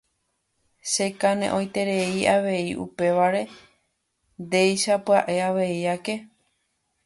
Chekaneʼõiterei avei upévare ndéicha pyaʼe avei ake.